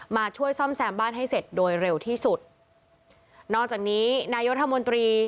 มาช่วยซ่อมแซมบ้านให้เสร็จโดยเร็วที่สุดนอกจากนี้นายุทธมนตรี